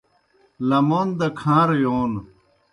لمون دہ کھاݩرہ یون